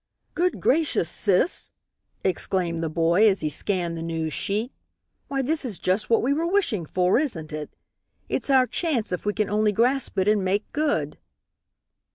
"Good gracious, sis!" exclaimed the boy, as he scanned the news sheet, "why this is just what we were wishing for, isn't it? It's our chance if we can only grasp it and make good."